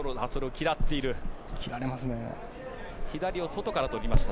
切られますね。